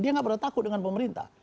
dia nggak pernah takut dengan pemerintah